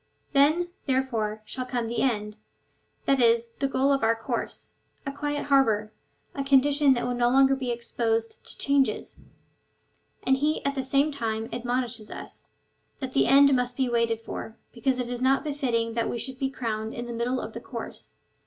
Then, there fore, shall come the end — that is, the goal of our course — a quiet harbour — a condition that will no longer be exposed to changes ; and he at the same time admonishes us, that that end must be waited for, because it is not befitting that we should be crowned in the middle of the course.